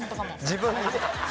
自分にね。